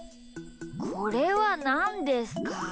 これはなんですか？